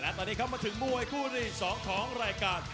และตอนนี้ครับมาถึงมวยคู่ที่๒ของรายการ